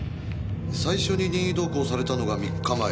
最初に任意同行されたのが３日前。